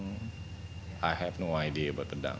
saya tidak punya ide untuk pedang